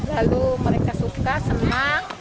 lalu mereka suka senang